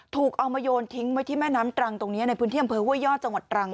ถูกเอามาโยนทิ้งไว้ที่แม่น้ำตรังตรงนี้ในพื้นที่อำเภอห้วยยอดจังหวัดตรัง